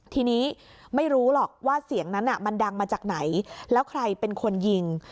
ทีนี้ไม่รู้หรอกว่าเสียงนั้นมันดังมาจากไหนแล้วใครเป็นคนยิง